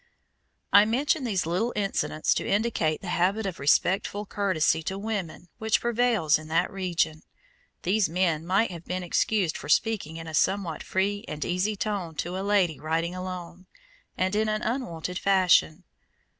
I mention these little incidents to indicate the habit of respectful courtesy to women which prevails in that region. These men might have been excused for speaking in a somewhat free and easy tone to a lady riding alone, and in an unwonted fashion.